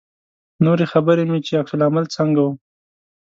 نورې خبرې مې چې عکس العمل څنګه و.